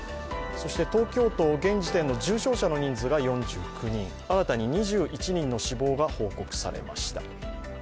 東京都、現時点の重症者の人数が４９人、新たに２１人の死亡が報告されました。